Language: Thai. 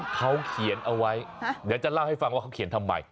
เขาเขียนเอาไว้เดี๋ยวจะเล่าให้ฟังว่าเขาเขียนทำไม